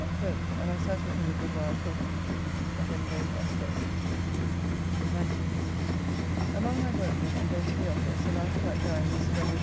Home, and I sat with him a good while talking, and then home and to bed. 19th. Among my workmen and then to the office, and after that dined with Sir W.